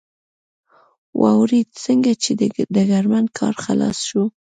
واورېد، څنګه چې د ډګرمن کار خلاص شو.